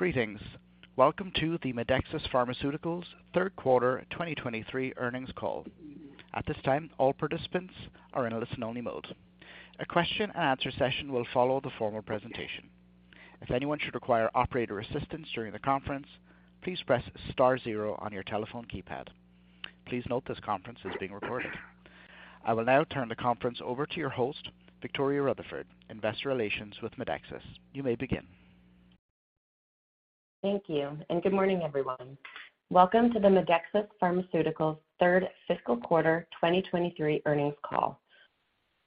Greetings. Welcome to the Medexus Pharmaceuticals third quarter 2023 earnings call. At this time, all participants are in a listen-only mode. A question and answer session will follow the formal presentation. If anyone should require operator assistance during the conference, please press star zero on your telephone keypad. Please note this conference is being recorded. I will now turn the conference over to your host, Victoria Rutherford, Investor Relations with Medexus. You may begin. Thank you. Good morning, everyone. Welcome to the Medexus Pharmaceuticals third fiscal quarter 2023 earnings call.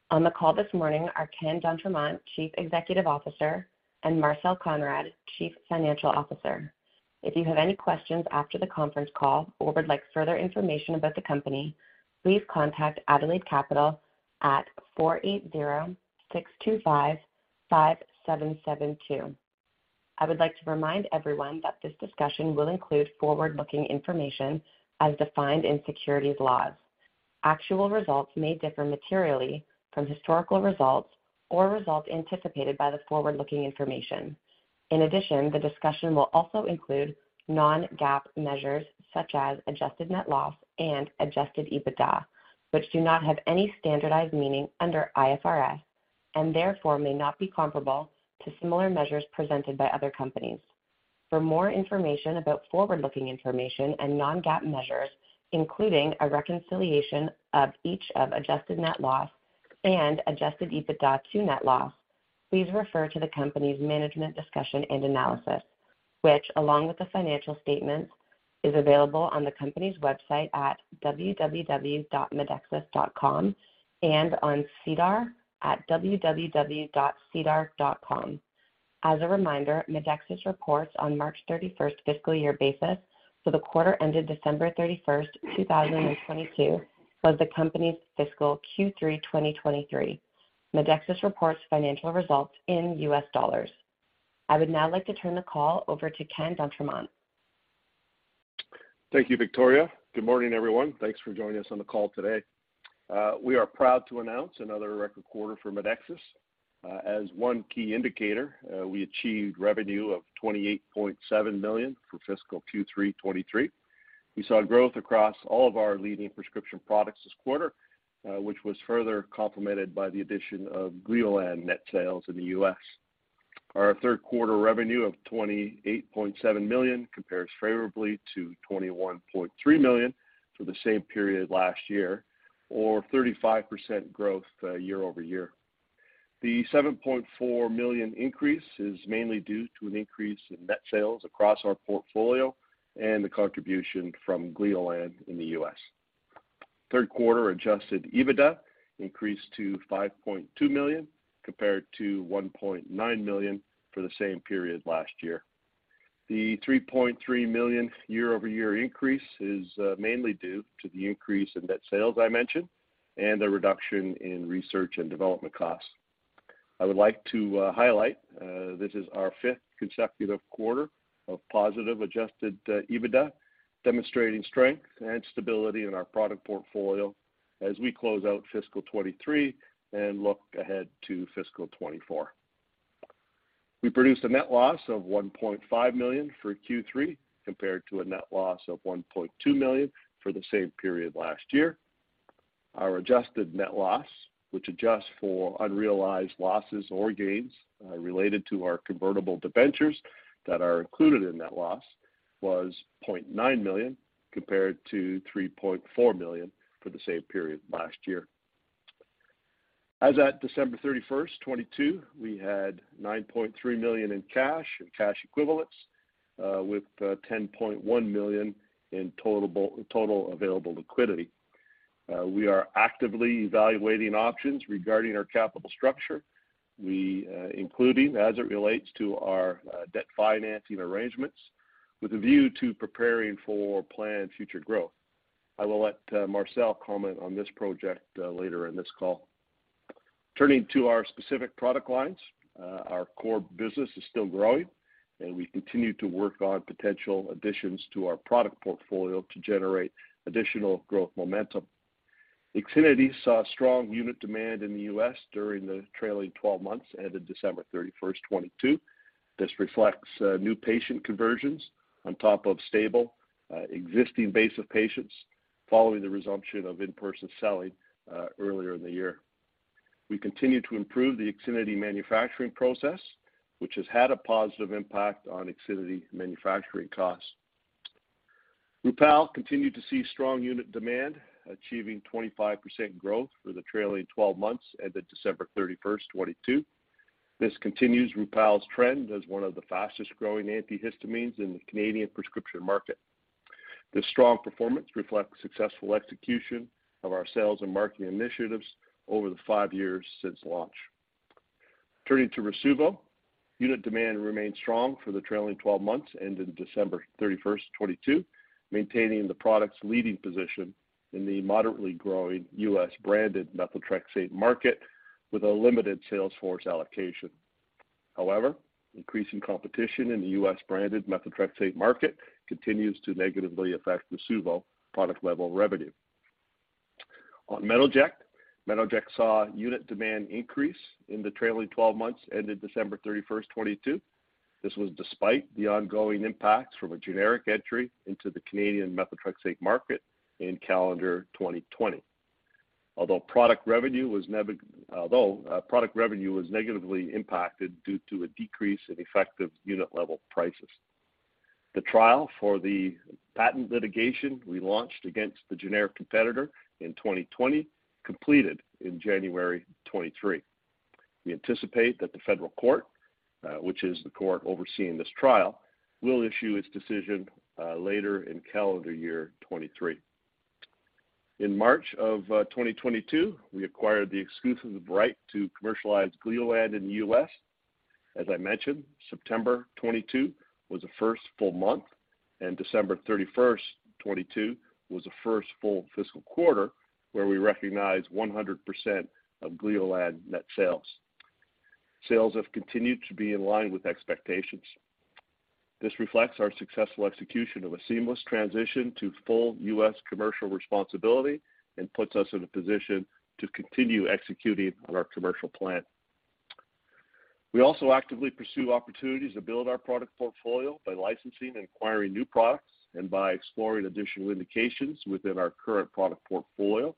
On the call this morning are Ken d'Entremont, Chief Executive Officer, and Marcel Konrad, Chief Financial Officer. If you have any questions after the conference call or would like further information about the company, please contact Adelaide Capital at 480-625-5772. I would like to remind everyone that this discussion will include forward-looking information as defined in securities laws. Actual results may differ materially from historical results or results anticipated by the forward-looking information. In addition, the discussion will also include non-GAAP measures such as adjusted net loss and adjusted EBITDA, which do not have any standardized meaning under IFRS and therefore may not be comparable to similar measures presented by other companies. For more information about forward-looking information and non-GAAP measures, including a reconciliation of each of adjusted net loss and adjusted EBITDA to net loss, please refer to the company's management discussion and analysis, which along with the financial statements, is available on the company's website at www.medexus.com and on SEDAR at www.sedar.com. As a reminder, Medexus reports on March 31st fiscal year basis for the quarter ended December 31st, 2022 was the company's fiscal Q3 2023. Medexus reports financial results in US dollars. I would now like to turn the call over to Ken d'Entremont. Thank you, Victoria. Good morning, everyone. Thanks for joining us on the call today. We are proud to announce another record quarter for Medexus. As one key indicator, we achieved revenue of $28.7 million for fiscal Q3 2023. We saw growth across all of our leading prescription products this quarter, which was further complemented by the addition of Gleolan net sales in the U.S. Our third quarter revenue of $28.7 million compares favorably to $21.3 million for the same period last year or 35% growth year-over-year. The $7.4 million increase is mainly due to an increase in net sales across our portfolio and the contribution from Gleolan in the U.S. Third quarter adjusted EBITDA increased to $5.2 million, compared to $1.9 million for the same period last year. The $3.3 million year-over-year increase is mainly due to the increase in net sales I mentioned and a reduction in research and development costs. I would like to highlight this is our fifth consecutive quarter of positive adjusted EBITDA, demonstrating strength and stability in our product portfolio as we close out fiscal 2023 and look ahead to fiscal 2024. We produced a net loss of $1.5 million for Q3 compared to a net loss of $1.2 million for the same period last year. Our adjusted net loss, which adjusts for unrealized losses or gains related to our convertible debentures that are included in net loss, was $0.9 million compared to $3.4 million for the same period last year. As at December 31st, 2022, we had $9.3 million in cash and cash equivalents, with $10.1 million in total available liquidity. We are actively evaluating options regarding our capital structure. We, including as it relates to our debt financing arrangements with a view to preparing for planned future growth. I will let Marcel comment on this project later in this call. Turning to our specific product lines, our core business is still growing, and we continue to work on potential additions to our product portfolio to generate additional growth momentum. IXINITY saw strong unit demand in the U.S. during the trailing 12 months ended December 31st, 2022. This reflects new patient conversions on top of stable existing base of patients following the resumption of in-person selling earlier in the year. We continue to improve the IXINITY manufacturing process, which has had a positive impact on IXINITY manufacturing costs. Rupall continued to see strong unit demand, achieving 25% growth for the trailing 12 months ended December 31st, 2022. This continues Rupall's trend as one of the fastest-growing antihistamines in the Canadian prescription market. This strong performance reflects successful execution of our sales and marketing initiatives over the five years since launch. Turning to Rasuvo, unit demand remained strong for the trailing 12 months ended December 31st, 2022, maintaining the product's leading position in the moderately growing U.S. branded methotrexate market with a limited sales force allocation. Increasing competition in the U.S. branded methotrexate market continues to negatively affect Rasuvo product level revenue. On Metoject saw unit demand increase in the trailing 12 months ended December 31st, 2022. This was despite the ongoing impacts from a generic entry into the Canadian methotrexate market in calendar 2020. Although product revenue was negatively impacted due to a decrease in effective unit level prices. The trial for the patent litigation we launched against the generic competitor in 2020 completed in January 2023. We anticipate that the federal court, which is the court overseeing this trial, will issue its decision later in calendar year 2023. In March of 2022, we acquired the exclusive right to commercialize Gleolan in the U.S. As I mentioned, September 2022 was the first full month, and December 31st, 2022 was the first full fiscal quarter where we recognized 100% of Gleolan net sales. Sales have continued to be in line with expectations. This reflects our successful execution of a seamless transition to full US commercial responsibility and puts us in a position to continue executing on our commercial plan. We also actively pursue opportunities to build our product portfolio by licensing and acquiring new products and by exploring additional indications within our current product portfolio.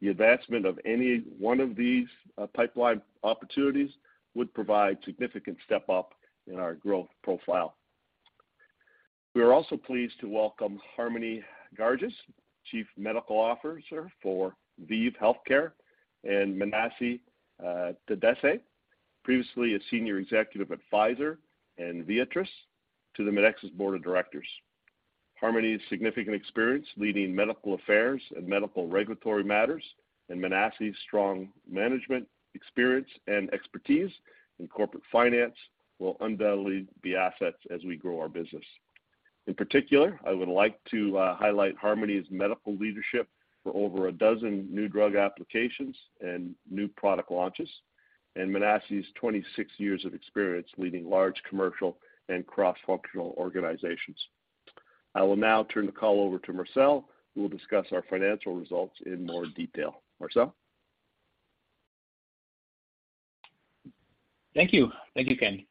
The advancement of any one of these pipeline opportunities would provide significant step up in our growth profile. We are also pleased to welcome Harmony Garges, Chief Medical Officer for ViiV Healthcare, and Menassie Taddese, previously a Senior Executive Advisor in Viatris, to the Medexus board of directors. Harmony's significant experience leading medical affairs and medical regulatory matters, and Menassie's strong management experience and expertise in corporate finance will undoubtedly be assets as we grow our business. In particular, I would like to highlight Harmony's medical leadership for over a dozen new drug applications and new product launches, and Menassie's 26 years of experience leading large commercial and cross-functional organizations. I will now turn the call over to Marcel, who will discuss our financial results in more detail. Marcel? Thank you. Thank you, Ken.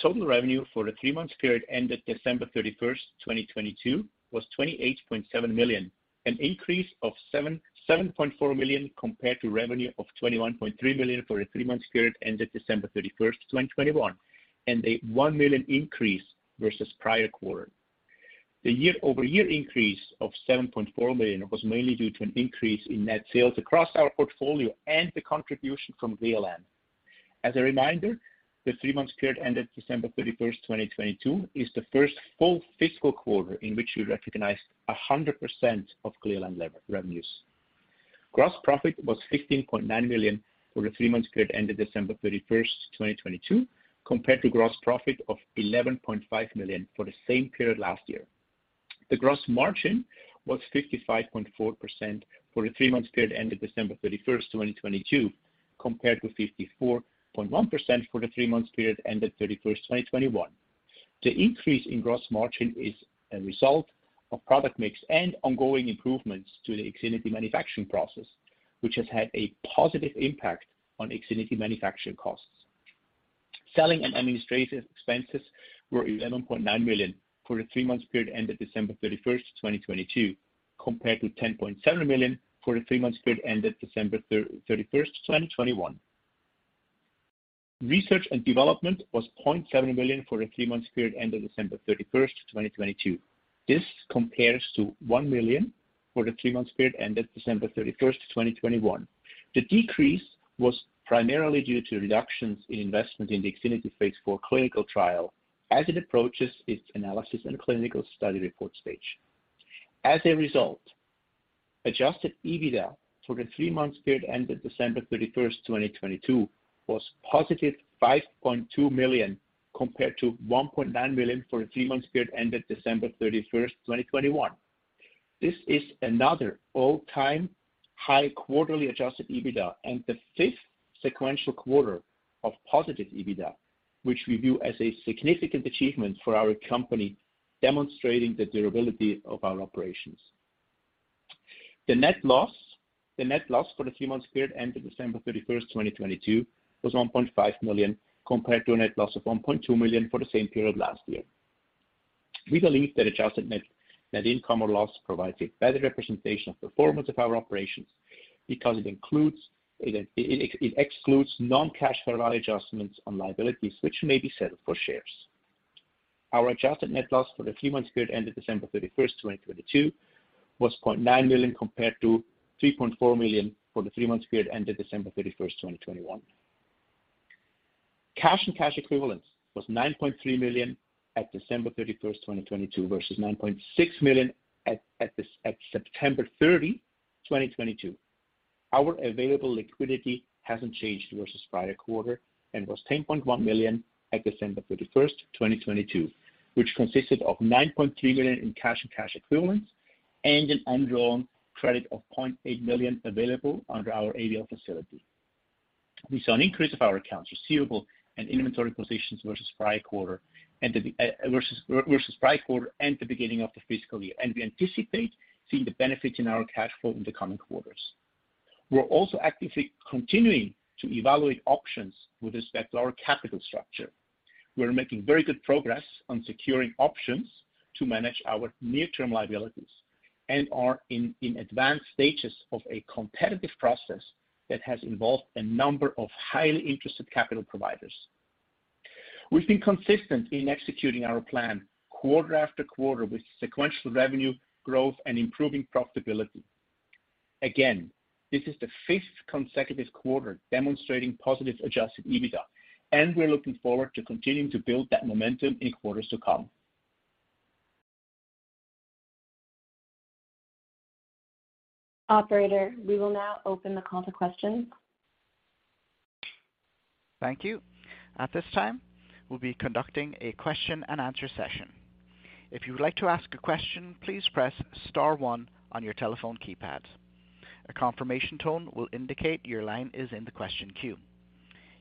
Total revenue for the three-month period ended December 31st, 2022 was $28.7 million, an increase of $7.4 million compared to revenue of $21.3 million for the three-month period ended December 31st, 2021, and a $1 million increase versus prior quarter. The year-over-year increase of $7.4 million was mainly due to an increase in net sales across our portfolio and the contribution from Gleolan. As a reminder, the three-month period ended December 31st, 2022 is the first full fiscal quarter in which we recognized 100% of Gleolan revenues. Gross profit was $15.9 million for the three-month period ended December 31st, 2022, compared to gross profit of $11.5 million for the same period last year. The gross margin was 55.4% for the three-month period ended December 31st, 2022, compared to 54.1% for the three-month period ended 31st, 2021. The increase in gross margin is a result of product mix and ongoing improvements to the IXINITY manufacturing process, which has had a positive impact on IXINITY manufacturing costs. Selling and administrative expenses were $11.9 million for the three-month period ended December 31st, 2022, compared to $10.7 million for the three-month period ended December 31st, 2021. Research and development was $0.7 million for the three-month period ended December 31st, 2022. This compares to $1 million for the three-month period ended December 31st, 2021. The decrease was primarily due to reductions in investment in the IXINITY phase IV clinical trial as it approaches its analysis and clinical study report stage. Adjusted EBITDA for the three-month period ended December 31st, 2022 was positive $5.2 million, compared to $1.9 million for the three-month period ended December 31st, 2021. This is another all-time high quarterly adjusted EBITDA and the fifth sequential quarter of positive EBITDA, which we view as a significant achievement for our company, demonstrating the durability of our operations. The net loss for the three-month period ended December 31st, 2022 was $1.5 million, compared to a net loss of $1.2 million for the same period last year. We believe that adjusted net income or loss provides a better representation of performance of our operations because it excludes non-cash fair value adjustments on liabilities which may be settled for shares. Our adjusted net loss for the three-month period ended December 31st, 2022 was $0.9 million, compared to $3.4 million for the three-month period ended December 31st, 2021. Cash and cash equivalents was $9.3 million at December 31st, 2022 versus $9.6 million at September 30, 2022. Our available liquidity hasn't changed versus prior quarter and was $10.1 million at December 31st, 2022, which consisted of $9.3 million in cash and cash equivalents and an undrawn credit of $0.8 million available under our ABL facility. We saw an increase of our accounts receivable and inventory positions versus prior quarter and at the beginning of the fiscal year. We anticipate seeing the benefit in our cash flow in the coming quarters. We're also actively continuing to evaluate options with respect to our capital structure. We're making very good progress on securing options to manage our near-term liabilities and are in advanced stages of a competitive process that has involved a number of highly interested capital providers. We've been consistent in executing our plan quarter after quarter with sequential revenue growth and improving profitability. Again, this is the fifth consecutive quarter demonstrating positive adjusted EBITDA, and we're looking forward to continuing to build that momentum in quarters to come. Operator, we will now open the call to questions. Thank you. At this time, we'll be conducting a question-and-answer session. If you would like to ask a question, please press star one on your telephone keypad. A confirmation tone will indicate your line is in the question queue.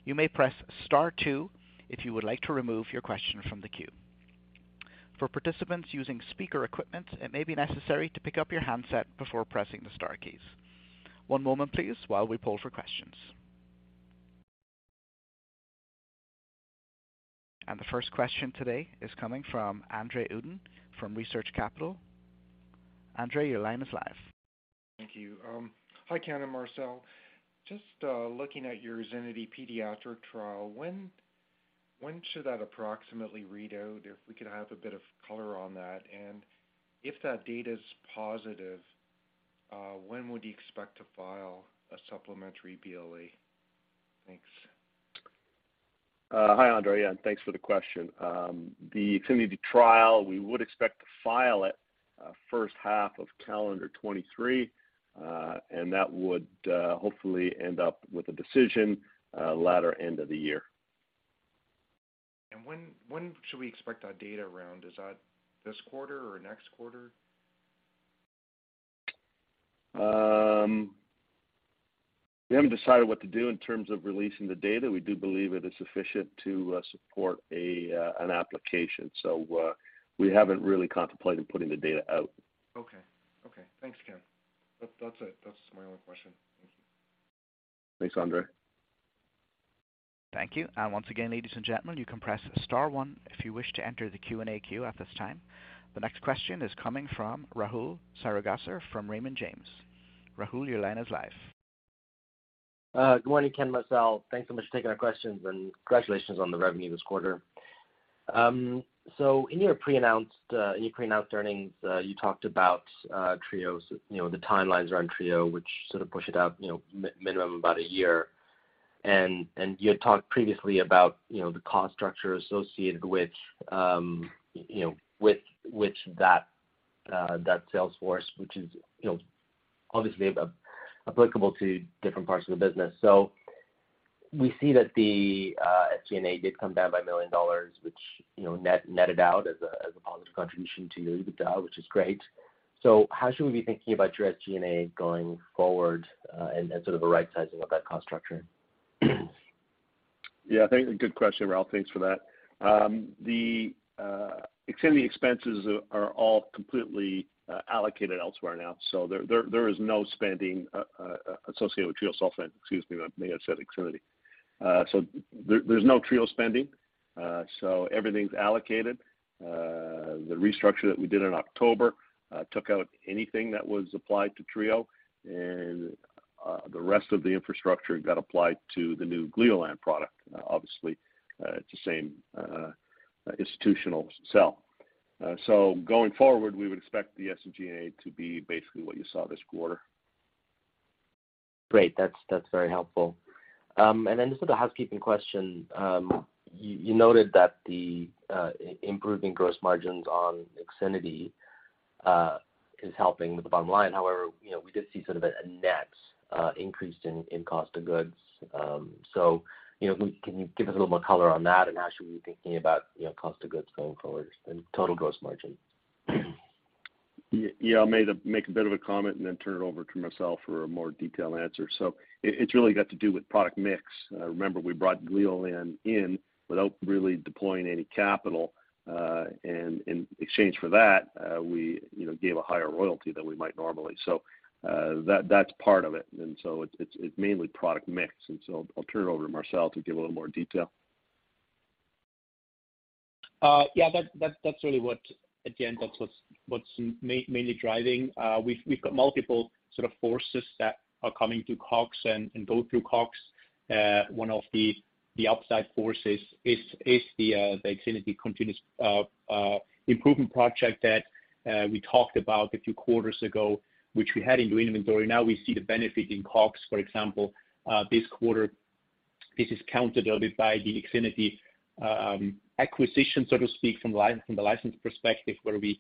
You may press star two if you would like to remove your question from the queue. For participants using speaker equipment, it may be necessary to pick up your handset before pressing the star keys. One moment please, while we poll for questions. The first question today is coming from Andre Uddin from Research Capital. Andre, your line is live. Thank you. Hi, Ken and Marcel. Just, looking at your IXINITY pediatric trial, when should that approximately read out, if we could have a bit of color on that? If that data is positive, when would you expect to file a supplementary BLA? Thanks. Hi, Andre, and thanks for the question. The IXINITY trial, we would expect to file it first half of calendar 2023, and that would hopefully end up with a decision latter end of the year. When should we expect that data around? Is that this quarter or next quarter? We haven't decided what to do in terms of releasing the data. We do believe it is sufficient to support an application. We haven't really contemplated putting the data out. Okay. Okay. Thanks, Ken. That's it. That's my only question. Thank you. Thanks, Andre. Thank you. Once again, ladies and gentlemen, you can press star one if you wish to enter the Q&A queue at this time. The next question is coming from Rahul Sarugaser from Raymond James. Rahul, your line is live. Good morning, Ken, Marcel. Thanks so much for taking our questions, and congratulations on the revenue this quarter. In your pre-announced, in your pre-announced earnings, you talked about Trispan, you know, the timelines around Trio, which sort of push it out, you know, minimum about a year. You had talked previously about, you know, the cost structure associated with, you know, with that sales force, which is, you know, obviously applicable to different parts of the business. We see that the SG&A did come down by $1 million, which, you know, netted out as a positive contribution to EBITDA, which is great. How should we be thinking about your SG&A going forward, and sort of a right sizing of that cost structure? I think a good question, Rahul. Thanks for that. The IXINITY expenses are all completely allocated elsewhere now. There is no spending associated with treosulfan. Excuse me, I may have said IXINITY. There's no Trio spending. Everything's allocated. The restructure that we did in October took out anything that was applied to Trio, and the rest of the infrastructure got applied to the new Gleolan product. Obviously, it's the same institutional sell. Going forward, we would expect the SG&A to be basically what you saw this quarter. Great. That's, that's very helpful. Just sort of a housekeeping question. You noted that the improving gross margins on IXINITY is helping with the bottom line. However, you know, we did see sort of a net increase in cost of goods. You know, can you give us a little more color on that and how should we be thinking about, you know, cost of goods going forward and total gross margin? Yeah, I'll make a bit of a comment and then turn it over to Marcel for a more detailed answer. It's really got to do with product mix. Remember we brought Gleolan in without really deploying any capital, in exchange for that, we, you know, gave a higher royalty than we might normally. That's part of it. It's mainly product mix. I'll turn it over to Marcel to give a little more detail. Yeah, that's, that's really what, again, that's what's mainly driving. We've, we've got multiple sort of forces that are coming through COGS and go through COGS. One of the upside forces is the IXINITY continuous improvement project that we talked about a few quarters ago, which we had in new inventory. Now we see the benefit in COGS, for example, this quarter. This is counterbalanced by the IXINITY acquisition, so to speak, from the license perspective, where we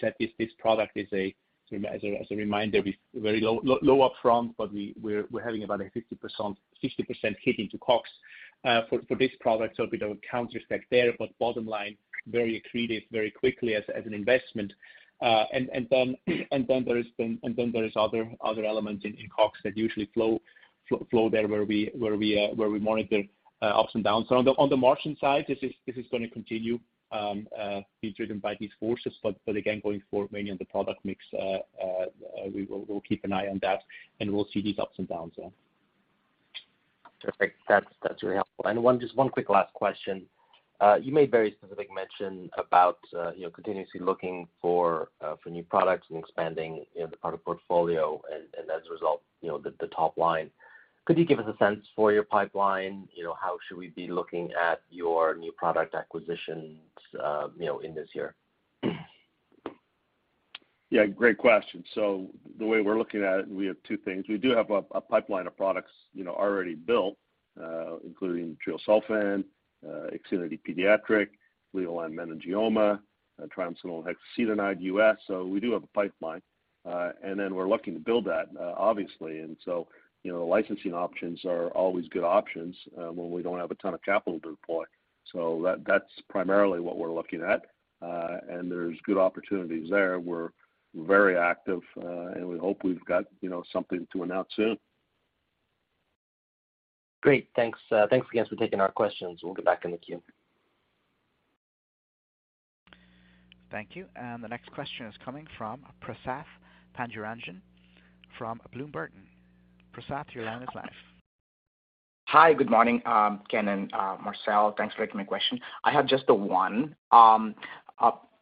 said this product is a, as a, as a reminder, we very low upfront, but we're having about a 50%, 60% hit into COGS for this product. A bit of a counter effect there. Bottom line, very accretive very quickly as an investment. And then there is other elements in COGS that usually flow there where we monitor ups and downs. On the margin side, this is gonna continue be driven by these forces. Again, going forward, mainly on the product mix, we'll keep an eye on that, and we'll see these ups and downs there. Perfect. That's really helpful. Just one quick last question. You made very specific mention about, you know, continuously looking for new products and expanding, you know, the product portfolio and as a result, you know, the top line. Could you give us a sense for your pipeline? You know, how should we be looking at your new product acquisitions, you know, in this year? Yeah, great question. The way we're looking at it, we have two things. We do have a pipeline of products, you know, already built, including treosulfan, IXINITY pediatric, Gleolan meningioma, and Triamcinolone hexacetonide U.S. We do have a pipeline. Then we're looking to build that, obviously. You know, licensing options are always good options, when we don't have a ton of capital to deploy. That's primarily what we're looking at. There's good opportunities there. We're very active, we hope we've got, you know, something to announce soon. Great. Thanks. Thanks again for taking our questions. We'll get back in the queue. Thank you. The next question is coming from Prasath Pandurangan from Bloom Burton. Prasath, your line is live. Hi. Good morning, Ken and Marcel. Thanks for taking my question. I have just the one.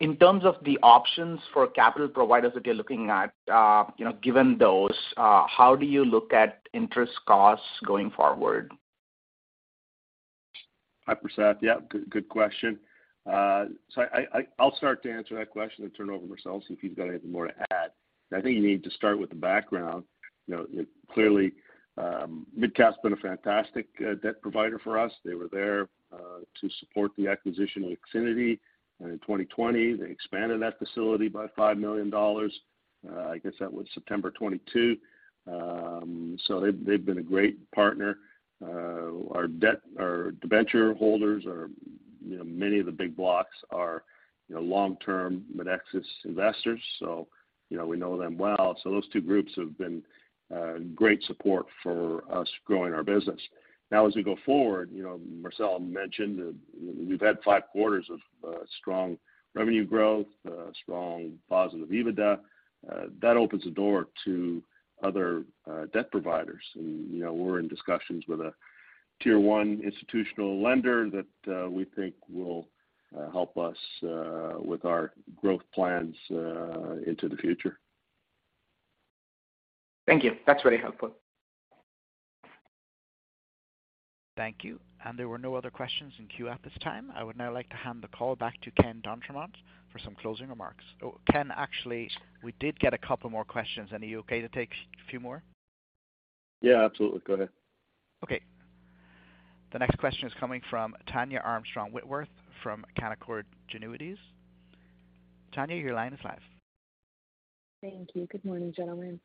In terms of the options for capital providers that you're looking at, you know, given those, how do you look at interest costs going forward? Hi, Prasath. Yeah, good question. I'll start to answer that question and turn it over to Marcel, see if he's got anything more to add. I think you need to start with the background. You know, clearly, MidCap's been a fantastic debt provider for us. They were there to support the acquisition of IXINITY. In 2020, they expanded that facility by $5 million. I guess that was September 2022. They've been a great partner. Our debenture holders are, you know, many of the big blocks are, you know, long-term Medexus investors, so, you know, we know them well. Those two groups have been great support for us growing our business. As we go forward, you know, Marcel mentioned that we've had five quarters of strong revenue growth, strong positive EBITDA. That opens the door to other debt providers. you know, we're in discussions with a tier one institutional lender that we think will help us with our growth plans into the future. Thank you. That's very helpful. Thank you. There were no other questions in queue at this time. I would now like to hand the call back to Ken d'Entremont for some closing remarks. Ken, actually, we did get a couple more questions. Are you okay to take a few more? Yeah, absolutely. Go ahead. The next question is coming from Tania Armstrong-Whitworth from Canaccord Genuity. Tania, your line is live. Thank you. Good morning, gentlemen.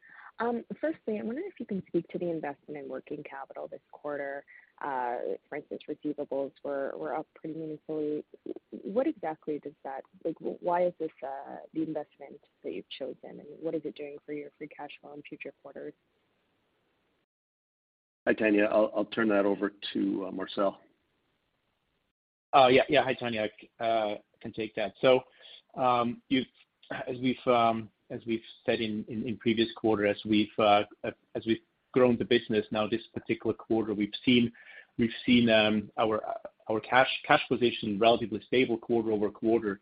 firstly, I'm wondering if you can speak to the investment in working capital this quarter. for instance, receivables were up pretty meaningfully. What exactly does that like, why is this the investment that you've chosen, and what is it doing for your free cash flow in future quarters? Hi, Tania. I'll turn that over to Marcel. Yeah, yeah. Hi, Tania. Can take that. As we've said in previous quarter, as we've grown the business, now this particular quarter, we've seen our cash position relatively stable quarter-over-quarter.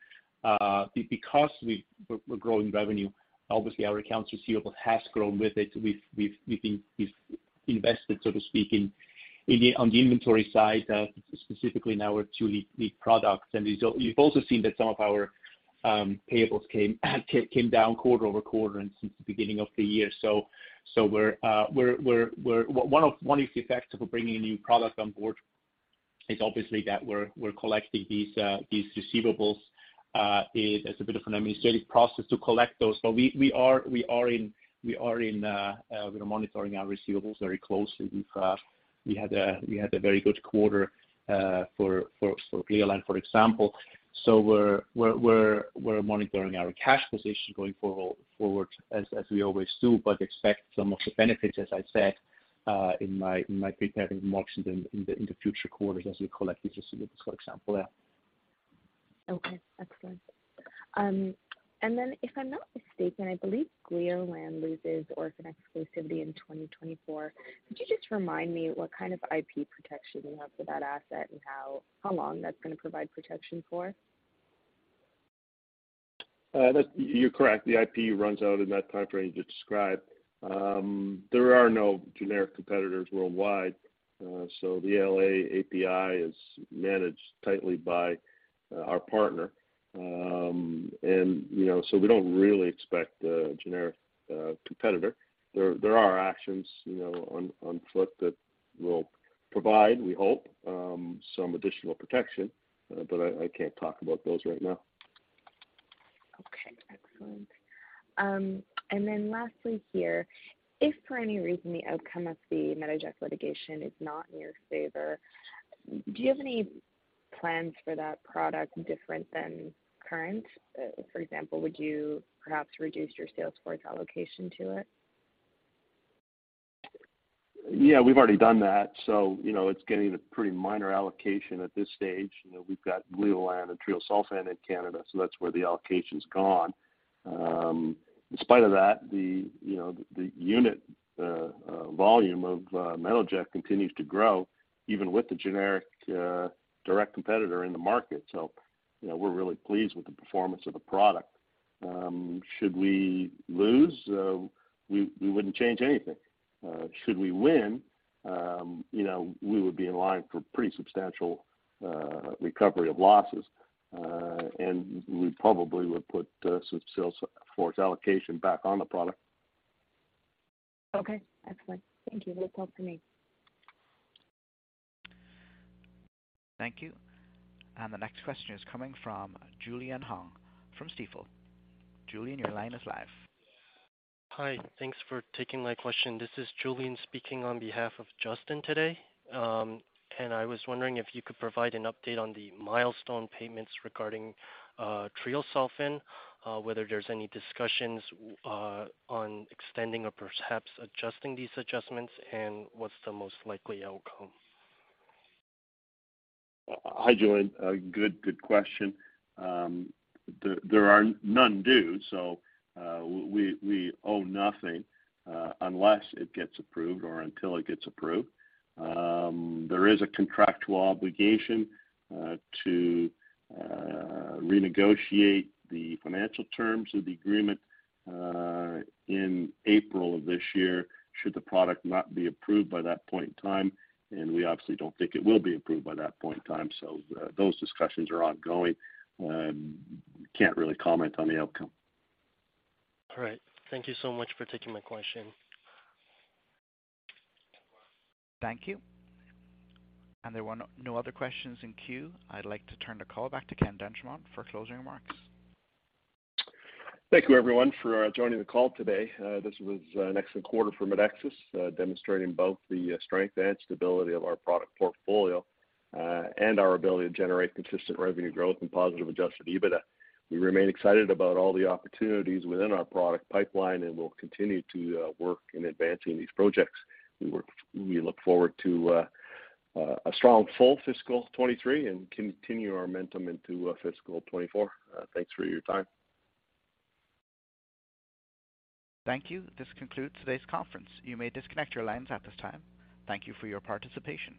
Because we're growing revenue, obviously our accounts receivable has grown with it. We've invested, so to speak, in the inventory side, specifically in our two lead products. You've also seen that some of our payables came down quarter-over-quarter and since the beginning of the year. We're one of the effects of bringing a new product on board is obviously that we're collecting these receivables. It is a bit of an administrative process to collect those, but we are monitoring our receivables very closely. We've had a very good quarter for Gleolan, for example. We're monitoring our cash position going forward as we always do, but expect some of the benefits, as I said in my prepared remarks in the future quarters as we collect these receivables, for example. Okay. Excellent. If I'm not mistaken, I believe Gleolan loses orphan exclusivity in 2024. Could you just remind me what kind of IP protection you have for that asset and how long that's gonna provide protection for? You're correct. The IP runs out in that time frame you described. There are no generic competitors worldwide. The LA API is managed tightly by our partner. You know, so we don't really expect a generic competitor. There are actions, you know, on foot that will provide, we hope, some additional protection, but I can't talk about those right now. Okay. Excellent. Then lastly here, if for any reason the outcome of the Metoject litigation is not in your favor, do you have any plans for that product different than current? For example, would you perhaps reduce your sales force allocation to it? Yeah, we've already done that. So, you know, it's getting a pretty minor allocation at this stage. You know, we've got Gleolan and treosulfan in Canada, so that's where the allocation's gone. In spite of that, the, you know, the unit volume of Metoject continues to grow even with the generic direct competitor in the market. You know, we're really pleased with the performance of the product. Should we lose, we wouldn't change anything. Should we win, you know, we would be in line for pretty substantial recovery of losses, and we probably would put some sales force allocation back on the product Okay. Excellent. Thank you. That's all for me. Thank you. The next question is coming from Julian Hung from Stifel. Julian, your line is live. Hi. Thanks for taking my question. This is Julian speaking on behalf of Justin today. I was wondering if you could provide an update on the milestone payments regarding treosulfan, whether there's any discussions on extending or perhaps adjusting these adjustments, and what's the most likely outcome? Hi, Julian. Good question. There are none due, we owe nothing, unless it gets approved or until it gets approved. There is a contractual obligation to renegotiate the financial terms of the agreement in April of this year, should the product not be approved by that point in time, and we obviously don't think it will be approved by that point in time. Those discussions are ongoing. Can't really comment on the outcome. All right. Thank you so much for taking my question. Thank you. There were no other questions in queue. I'd like to turn the call back to Ken d'Entremont for closing remarks. Thank you everyone for joining the call today. This was an excellent quarter for Medexus, demonstrating both the strength and stability of our product portfolio and our ability to generate consistent revenue growth and positive adjusted EBITDA. We remain excited about all the opportunities within our product pipeline, and we'll continue to work in advancing these projects. We look forward to a strong full fiscal 2023 and continue our momentum into fiscal 2024. Thanks for your time. Thank you. This concludes today's conference. You may disconnect your lines at this time. Thank you for your participation.